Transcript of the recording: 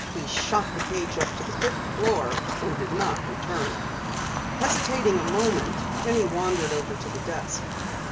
He shot the cage up to the fifth floor and did not return. Hesitating a moment, Penny wandered over to the desk.